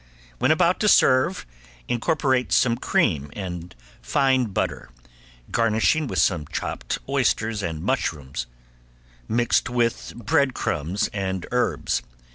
When about to serve incorporate some cream and fine butter, garnishing with some chopped oysters and mushrooms, mixed with breadcrumbs and herbs.